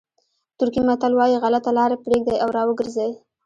ترکي متل وایي غلطه لاره پرېږدئ او را وګرځئ.